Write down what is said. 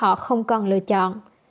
bà úc trang không còn lựa chọn